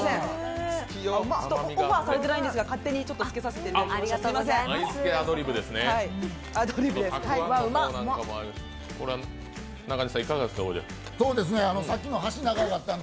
オファーされていないんですが、勝手につけさせていただきました。